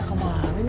ada kemana ini